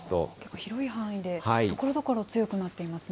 広い範囲で、ところどころ強くなっていますね。